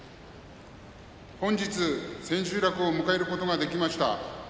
本日、千秋楽を迎えることができました。